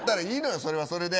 それはそれで。